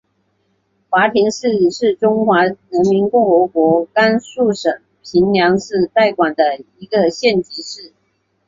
华亭市是中华人民共和国甘肃省平凉市代管的一个县级市。